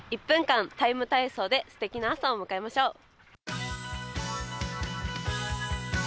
１分間「ＴＩＭＥ，体操」ですてきな朝を迎えましょう。